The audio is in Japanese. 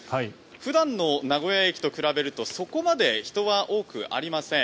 普段の名古屋駅と比べるとそこまで人は多くありません。